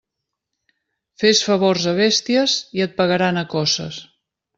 Fes favors a bèsties i et pagaran a coces.